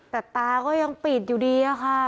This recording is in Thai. แต่ตาก็ยังปิดอยู่ดีอะค่ะ